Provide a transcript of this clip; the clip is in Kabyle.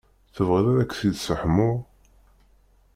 Tebɣiḍ ad k-t-id-sseḥmuɣ?